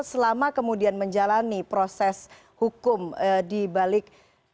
selama kemudian menjalani proses hukum di balik